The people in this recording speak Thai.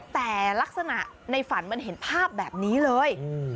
แต่ลักษณะในฝันมันเห็นภาพแบบนี้เลย